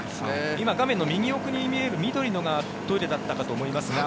今、画面の右奥に見える緑のがトイレだったかと思いますが。